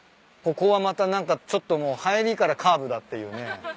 ここはまた何かちょっともう入りからカーブだっていうね。